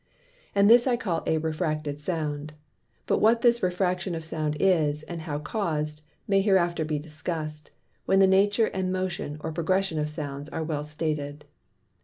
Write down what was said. And this I call a Refracted Sound: But what this Refraction of Sound is, and how caus'd, may hereafter be discuss'd, when the Nature, and Motion, or Progression of Sounds are well stated.